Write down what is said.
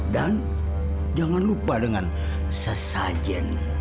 dan jangan lupa dengan sesajen